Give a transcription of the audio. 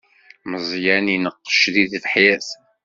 Meẓyan ineqqec di tebḥirt.